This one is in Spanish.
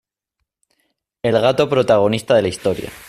El gato protagonista de la historia.